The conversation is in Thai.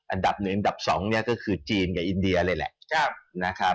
อันดับหนึ่งอันดับ๒เนี่ยก็คือจีนกับอินเดียเลยแหละ